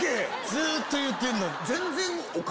ずっと言ってんのに。